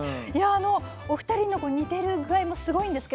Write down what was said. お二人の似ている具合もすごいんですが